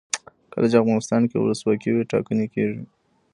کله چې افغانستان کې ولسواکي وي ټاکنې کیږي.